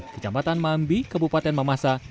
kejambatan mambi kebupaten mamasa